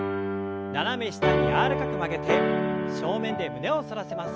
斜め下に柔らかく曲げて正面で胸を反らせます。